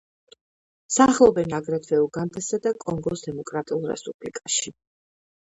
სახლობენ აგრეთვე უგანდასა და კონგოს დემოკრატიულ რესპუბლიკაში.